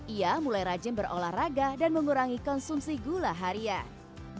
ia mulai rajin berolahraga dan mengurangi konsumsi gula harian